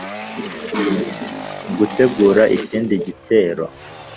mu gutegura ikindi gitero